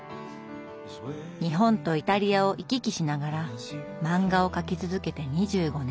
日本とイタリアを行き来しながら漫画を描き続けて２５年。